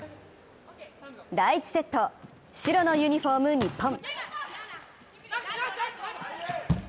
第１セット、白のユニフォーム・日本。